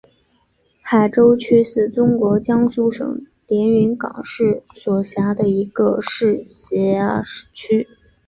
海州区是中国江苏省连云港市所辖的一个市辖区。